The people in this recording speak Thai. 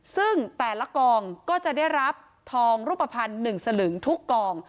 ซึ่งแต่ละกองก็จะได้รับทองรูปภัณฑ์๑สลึงทุกกอง